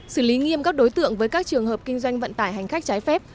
xử lý nghiêm các đối tượng với các trường hợp kinh doanh vận tải hành khách trái phép